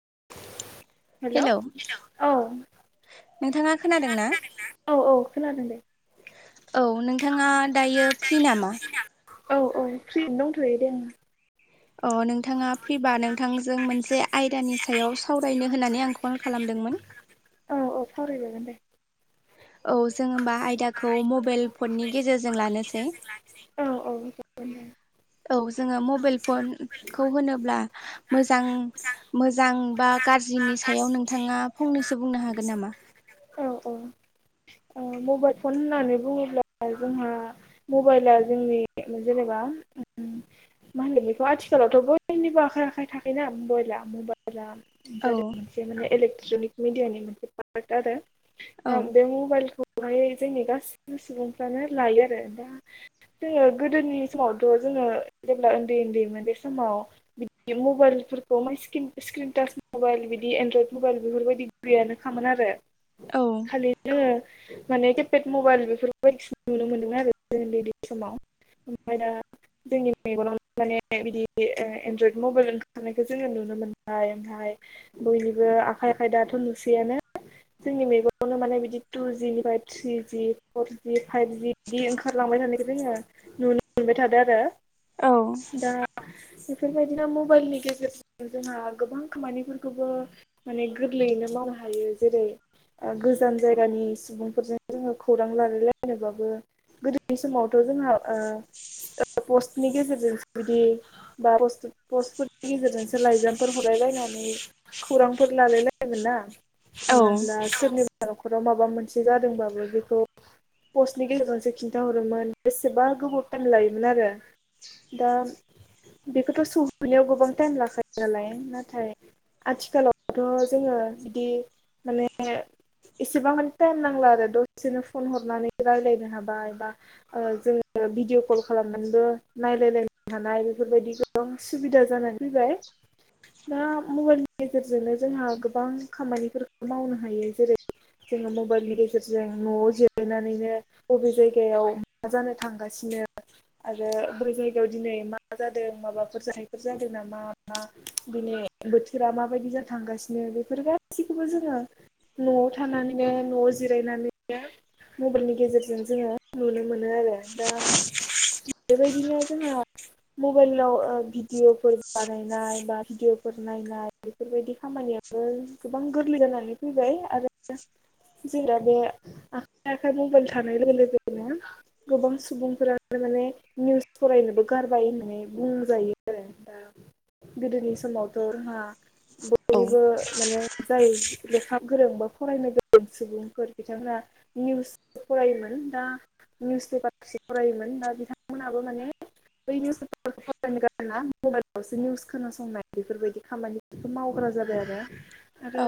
[inaudible] Hello औ। नोंथाङा खोनादों ना? औ औ खोनादों दे औ नोंथाङा दायो फ्रि नामा? औ औ फ्रिनो दंथ'यो दे ओं। अ नोंथाङा फ्रिबा नोंथांजों मोनसे आयदानि सायाव सावरायनो होननानै आं कल खालामदोंमोन। [inaudible] औ औ सावराय औ जों होमबा आयदाखौ मबाइल फननि गेजेरजों लानोसै। लानोसै औ औ। औ जोङो मबाइल फनखौ होनोब्ला मोजां मोजां बा गाज्रिनि सायाव नोंथाङा फंनैसो बुंनो हागोन नामा? औ औ। ओ मबाइल फन होननानै बुङोब्ला जोंहा मबाइला जोंनि जेनेबा [inaudible] मा होनो बेखौ आथिखालावथ' बयनिबो आखाइ आखाइ थाखायोोना मबाइला मबाइला औ जादों मोनसे माने इलेक्ट्रनिक मिडियानि मोनसे पार्ट आरो बे औ खौहाय जोंनि गासैबो सुबुंफ्रानो लायो आरो। दा जोङो गोदोनि समावथ' जोङो जेब्ला उन्दै उन्दैमोन बे समाव बिदि मबाइल फोरखौ म स्क्रिनटाच मबाइल बिदि एनड्रयद मबाइल बेफोरबायदि गैयानो खामोन आरो। औ खालिनो माने केपेक मबाइल बेफोरखौ बायदिसिना नुनो मोन्दोंमोन आरो उन्दै समाव। आमफाय दा जोंनि मेगनाव माने बिदि एनड्रयड मबाइल ओंखारनायखौ जोङो नुनो मोनबाय। ओमफाय बयनिबो आखाइ आखाइ दाथ' नुसैयानो। जोंनि मैगनावनो माने बिदि टु जिनिफाय थ्रि जि फरजि फाइभजि बिदि ओंखारलांबाय थानाय जोङो नुनो मोनबाय थादो आरो। औ। दा बेफोरबायदिनो मबाइलनि गेजेरजों जोंहा गोबां खामानिफोरखौबो माने गोरलैयैनो मा मावनो हायो। जेरै ओ गोजान जायगानि सुबुंफोरजों जोङो खौरां लालायलायनोबाबो गोदोनि समावथो जोंहा ओ [unintelligible] गेजेरजोंसो बिदि बा [unintelligible] पस्टफोरनि गेजेरजोंसो लाइजामफोर हलाय लायनानै खौरांफोर लालायलायोमोन ना हमनानै ला सोरनिबा न'खर खराव माबा मोनसे जादोंबाबो बेखौ पस्टनि गेजेरजोंसो खिन्थाहरोमोन बेसेबा गोबौ टाइम लायोमोन आरो। दा बेखोथ' सफैनाया् गोबां टाइम लाखायो नालाय। नाथाय आथिखालावथ' जोङो जुदि माने एसेबां मानि टाइम नांला आरो दसेनो फन हरनानै रायलायनो हाबाय बा ओ जोङो भिडिअ कल खालामनानैबो नायलायलायनो हानाय बेफोरबायदि गोबां सुबिदा जानानै फैबाय। दा मबाइलनि गेजेरजोंनो जोंहा गोबां खामानिफोरखौ मावनो हायो जेरै [inaudible] जोङो मबाइलनि गेजेरजों न'आव जिरायनानैनो बबे जायगायाव मा जानो थांगासिनो आरो बै जायगायाव दिनै मा जादों माबाफोर जाथाइफोर जादों नामा मा? दिने बोथोरा माबादि जानो थांगासिनो बेफोर गासिखोबो जोङो न'आव थानानैनो न'आव जिरायनानैनो मबेलनि गेजेरजों जोङो नुनो मोनो आरो दा बेबायदिनो जोङो मबाइलाव ओ भिडिअफोर बानायनाय बा भिडिअफोर नायनाय बेफोरबायदि खामानियाबो गोबां गोरलै जानानै फैबाय। आरो जोंना बे आखाइ आखाइ मबाइल थानाय लोगो लोगोनो गोबां सुबुंफोरानो निउस फरायनोबो गारबाय होननानै बुंजायो आरो। दा [inaudible] गोदोनि समावथ' जोंहा औ बयबो माने जाय लेखा फोरोंबा फरायनो गोरों सुबुंफोर बिथांमोनहा निउस फरायोमोन दा निउस [unintelligible] दा बिथांमोनाबो माने बै निउस [unintelligible] निउस खोनासंनाय बेफोरबायदि खामानिखौ मावबाय। [unintelligible] जाबाय आरो आरो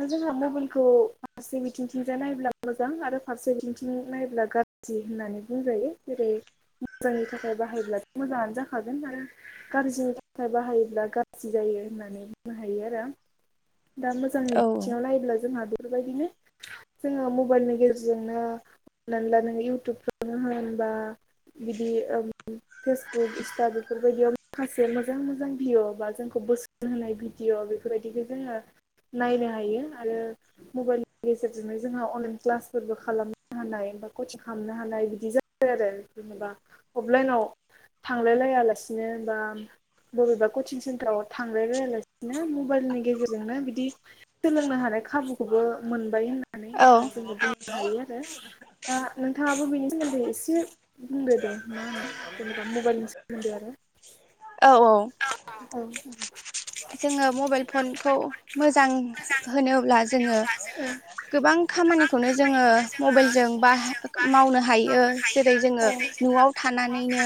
दा जोंहा मबेलखौ फारसे बिथिंथिंजाय नायब्ला मोजां आरो फारसे बिथिंथिं नायब्ला गाज्रि। होननानै बुंजायो जेरै मोजांनि थाखाय बाहायोब्लाथ' मोजाङानो जाखागोन आरो गाज्रिनि थाखाय बाहायोब्ला गाज्रि जायो। होननानै बुंनो हायो आरो दा मोजांनि बिथिङाव नायब्ला जोंहा बे फोरबायदिनो जोङो मबाइलनि गेजेरजोंनो [unintelligible] नों इउटुबफ्रावनो होन बा बिदि ओम फेसबुक इन्सटा बेफो बायदियाव माखासे मोजां मोजां भिय' बा जोंखौ बोसोन होनाय भिडिअ' बेफोरबायदिखो जोङो नायनो हायो आरो मबाइलनि गेजेरजोंनो जोंहा अनलाइन क्लासफोरबो खालाम हानाय बा कसिं खामनो हानाय बिदि जाबाय आरो जेनेबा अफलाइनआव थांलायलाय यालासिनो बा बबेबा कचिं सेन्टाराव थांलाय लायालासिनो मबाइलनि गेजेरजोंनो बिदि सोलोंनो हानाय खाबुखौबो मोनबाय होननानै औ ओ जोंबो बुंनो हायो आरो। दा नोंथाङाबो बिनि सोमोन्दै एसे बुंदो दे मा होनो जेनेबा मबेलनि सोमोन्दै आरो। औ औ औ औ जोङो मबेल फनखौ मोजां होनोब्ला जोङो गोबां खामानिखौनो जोङो मबेलजों बा मावनो हायो जेरै जोङो न'आव थानानैनो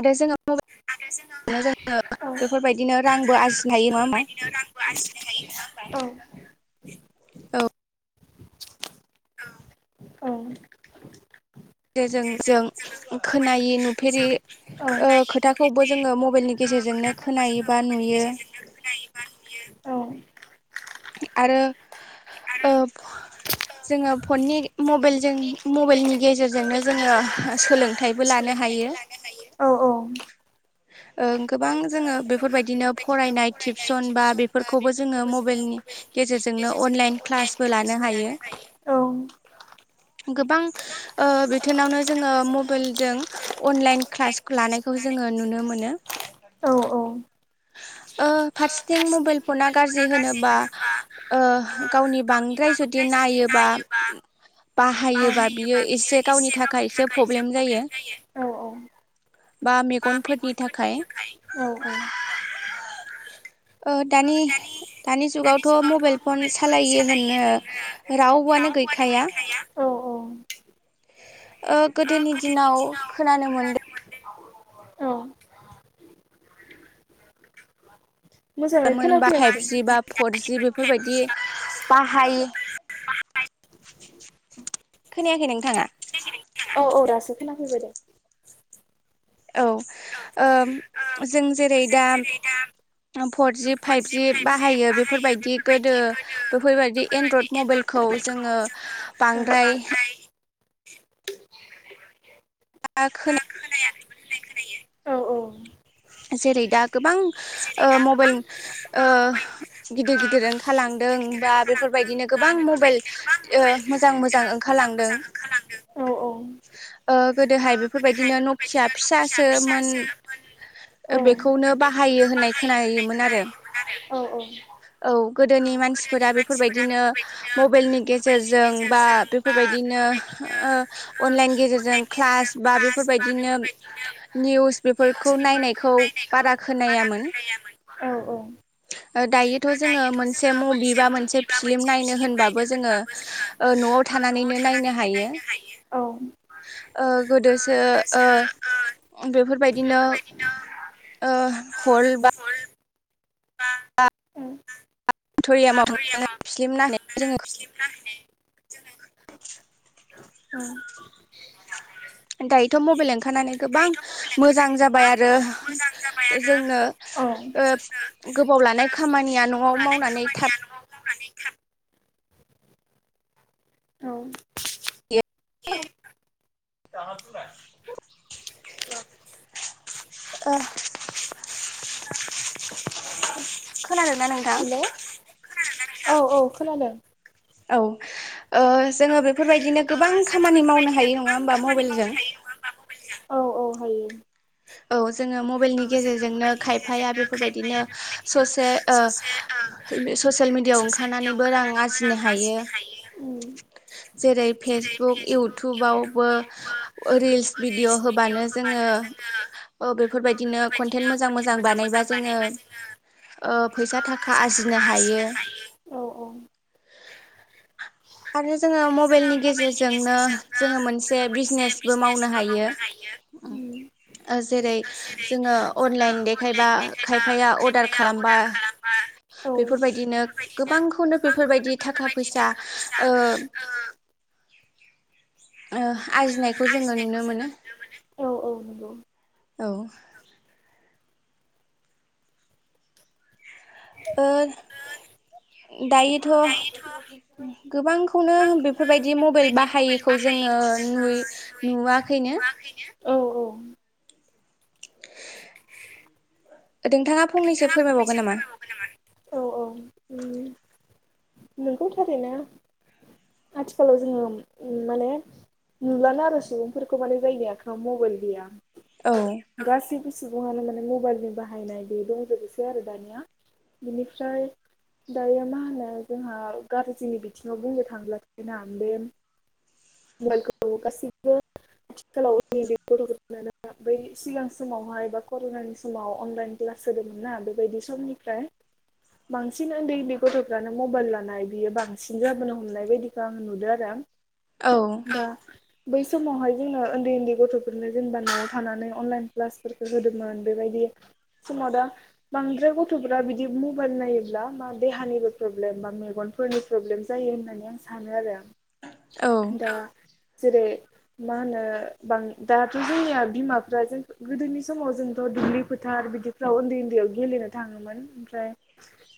आरो जोङो मबे बेफोरबायदिनो रांबो आरजिनो हायो नङा हामा औ औ औ औ जो जों जों खोनायि नुफेरि ओ खोथाखौबो जोङो मबाइलनि गेजेरजोंनो खोनायो बा नुयो। औ आरो ओब जोङो फननि मबाइलजों मबाइलनि गेजेरजोंनो जोङो सोलोंथाइबो लानो हायो औ औ ओ गोबां जोङो बेफोरबायदिनो फरायनाय टिउसन बा बेफोरखौबो जोङो मबाइलनि गे जेरजोंनो अनलाइन क्लासबो लानो हायो। गोबां ओ बिथोनावनो जोङो मबाइलजों अन लाइन क्लास लानायखौ जोङो नुनो मोनो। नुफेरै ओ फारसेथिं मबाइल फना गाज्रि होनोबा ओ गावनि बांद्राय जुदि नायोबा [unintelligible] औ औ। बाहायोबा बियो एसे गावनि थाखाय एसे प्रब्लेम जायो [unintelligible] बा मेगनफोरनि थाखाय औ औ। ओ दानि दानि जुगावथ' मबाइल फन सालायो होननो रावआनो गैखाया। ओ गोदोनि दिनाव खोनानो मोन औ मोनबा फाइजि बा फरजि बेफोरबायदि बाहाय खोनायाखै नोंथाङा? औ औ दासो खोना फैबाय दे। औ ओम जों जेरै दा फरजि फाइभजि बाहायो बेफोरबायदि गोदो बेफोरबायदि एनड्रइड मबाइल खौ जोङो बांद्राय खोन हो खोनायाखै। [unintelligible] औ औ। जेरै दा गोबां ओ मबाइल ओ गिदिर गिदिर खालाम लांदों ब्ला बेफोरबायदिनो गोबां मबाइ ओ मोजां मोजां ओंखारलांदों। औ औ ओ गोदोहाय बेफोरबायदिनो नखिया फिसा फिसा सो मोन। ओ बेखौनो बाहायो होननाय खोनायोमोन आरो। आरो औ गोदोनि मानसिफोरा बेफोरबायदिनो मबाइलनि गेजेरजों बा बेफोरबायदि नो ओ अनलाइन गेजेरजों क्लास बा बेफोरबायदिनो निउस बेफोर [unintelligible] औ औ। ओ दायोथ' जोङो मोनसे मुभि बा मोनसे फिलिम नायनो होनबाबो जोङो ओ न'आव थानानैनो नायनो हायो। ओ गोदोसो ओ बेफोरबायदिनो ओ हल बा [unintelligible] अडिट'रियामाव थांनानै फिलिम नायनाय जोङो [unintelligible] [inaudible] औ। दायोथ' मबाइल ओंखारनानै गोबां मोजां जाबाय आरो जोङो ओ गोबाव लानाय खामानिया न'आव मावनानै थाब [unintelligible] औ। [unintelligible] [unintelligible] [unintelligible] खोनादोंना नोंथां? हेलौ औ औ खोनादों। औ। ओ जोंङो बेफोरबायदिनो गोबां खामानि मावनो हायो नङा होमबा मबाइलजों? औ औ हायो। जोंङो मबाइलनि गेजेरजोंनो खायफाया बेफोरबायदिनो ससे ओ ससियेल मिडियाआव ओंखारनानैबो रां आरजिनो हायो। उम जेरै फेसबुक इउटुबावबो ओ रिल्स भिडिअ' होबानो जोंङो ओ ओ बेफोरबायदिनो कनटेन्ट मोजां मोजां बानायबा जोंङो ओ फैसा थाखा आरजिनो हायो औ औ आरो जोंङो मबाइलनि गेजेरजोंनो जोंङो मोनसे बिजनेसबो मावनो हायो उम [inaudible] जोंङो अनलाइन देखायबा खायफाया अर्डार खालामबा औ बेफोर बायदिनो गोबांखौनो बेफोरबायदि थाखा फैसा ओ [inaudible] ओ आरजिनायखौ जोंङो नुनो मोनो औ औ नंगौ औ ओ दायोथ' गोबांखौनो बेफोरबायदि मबाइल बाहायैखौ जोंङो नुय नुवाखैनो औ औ [inaudible] नोंथाङा फंनैसो नोंथाङा फोरमायबावगोन फंनैसो नामा फोरमाय बावगोन नामा औ औ नंगौ थारैनो आथिखालाव जोंङो ओम माने नुलानो आरो सुबुंफोरखौ माने जायनि आखायाव मबाइल गैया औ गासैबो सुबुङानो माने मबाइलनि बाहायनाय बे दंजोबोसै आरो दानिया बिनिफ्राय दायो मा होनो जोंहा गाज्रिनि बिथिङाव बुंनो थांब्लाथाय ना बे [unintelligible] गासैबो आथिखालाव नै बे गथ'फोरनो नो बै सिगां समावहाय बा कर'नानि समाव अनलाइन क्ला स होदोंमोन ना बेबायदि समनिफ्राय बांसिन उन्दै उन्दै गथ'फ्रानो मबाइल लानाय बियो बांसिन जाबोनो हमनाय बायदिखौ आं नुदों आरो औ दा बै समावहाय जोंङो उन्दै उन्दै गथ'फोरनो जेनेबा न'आव थानानै अनलाइन क्लासफोरखौ होदोंमोन बेबायदि समाव दा बांद्राय गथ'फोरा बिदि मबाइल नायोब्ला मा देहानिबो प्रब्लेम बा मेगनफोरनि प्रब्लेम रेम जायो होननानै आं सानो आरो [inaudible] दा जेरै मा होनो दाथ' जोंनिया बिमाफ्रा जों गोदोनि समाव जोंथ' दुब्लि फोथार बिदिफ्राव उन्दै उन्दैयाव गेलेनो थाङोमोन ओमफ्राय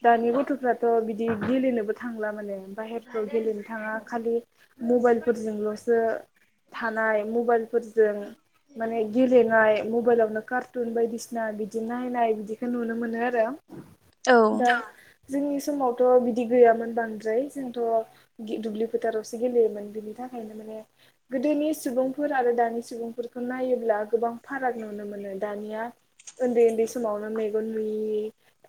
दानि गथ'फ्राथ' बिदि दि गेलेनोबो थांला माने बाहेरफ्राव गेलेनो थाङा खालि मबाइल फोरजोंल जो थानाय मबाइलफोरजों माने गेलेनाय मबाइलावनो कार्टुन बायदिसिना बिदि नायनाय बिदिखौ नुनो मोनो आरो औ दा जोंनि समावथ' बिदि गैयामोन बांद्राय जोंथ' दुब्लि फोथारावसो गेलेयोमोन बिनि थाखायनो माने गोदोनि सुबुंफोर आरो दानि सुबुंफोरखौ नायोब्ला गोबां फाराग नुनो मोनो दानिया उन्दै उन्दै समावनो मेगन नुयि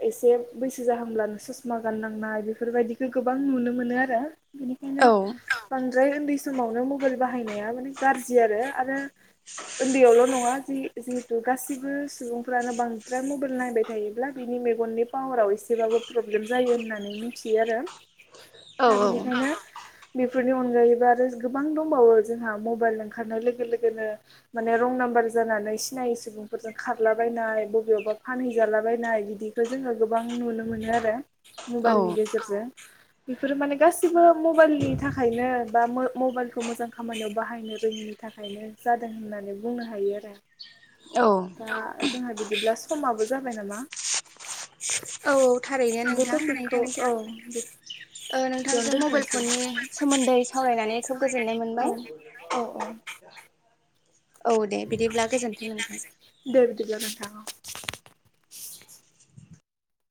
एसे बैसो जाहांब्लानो ससमा गाननांनाय बि बेफोरबायदिनो गोबां नुनो मोनो आरो बेनिखायनो औ बै उन्दै समावनो मबाइल बाहायनाया गाज्रि आरो आरो उन्दैयावल नङा जि जिहेतु गासिबो सुबुंफ्रानो बांद्राय मबाइल नायबाय थायोब्ला बिनि मेगननि पावाराव एसेबाबो प्रब्लेम जायो होननानै मिथियो आरो दा बेनिखायनो औ बेफोरनि अनगायैबो आरो गोबां दंबावो जोंहा मबाइल ओंखारनाय लोगो लोगोनो माने रं नाम्बार जानानै सिनायै सुबुंफोरजों खारलाबायनाय बबेयावबा फानहैजालाबायनाय बिदिखौ जोङो गोबां नुनो मोनो आरो औ मबाइलनि गेजेरजों बेफोरो माने गासिबो मबाइलनि थाखाय थाखायनो बा म-मबाइलखौ मोजां खामानियाव बाहायनो रोङिनि थाखायनो जादों होननानै बुंनो हायो। औ दा जोंहा बिदिब्ला समाबो जाबाय नामा? औ थारैनो बे नोंथां टपिकखौ औ नोंथांजों बेयावनो नोंथांजों मबाइल दोनथ'नोसै फननि सोमोन्दै सावरायनानै खोब गोजोननाय मोनबाय। औ औ दे बिदिब्ला गोजोन्थों नोंथां। दे बिदिब्ला नोंथां औ।